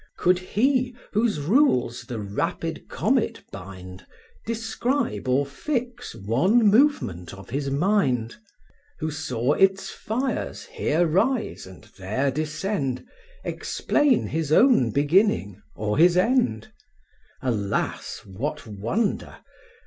Could he, whose rules the rapid comet bind, Describe or fix one movement of his mind? Who saw its fires here rise, and there descend, Explain his own beginning, or his end? Alas, what wonder!